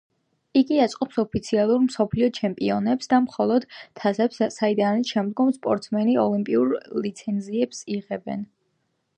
იგი აწყობს ოფიციალურ მსოფლიო ჩემპიონატებს და მსოფლიო თასებს, საიდანაც შემდგომ სპორტსმენები ოლიმპიურ ლიცენზიებს იღებენ.